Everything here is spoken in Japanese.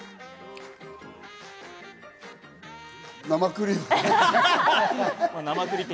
生クリームだね。